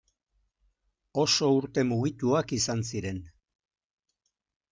Oso urte mugituak izan ziren.